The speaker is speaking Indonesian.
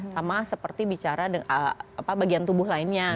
sama seperti bicara bagian tubuh lainnya